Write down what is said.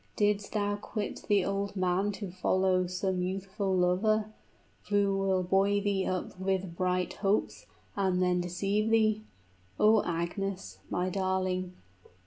Didst thou quit the old man to follow some youthful lover, who will buoy thee up with bright hopes, and then deceive thee? O Agnes my darling!